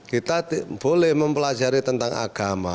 kita boleh mempelajari tentang agama